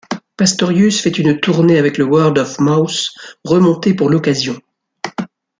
Pastorius fait une tournée avec le Word of Mouth remonté pour l'occasion.